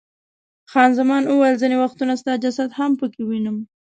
خان زمان وویل، ځیني وختونه ستا جسد هم پکې وینم.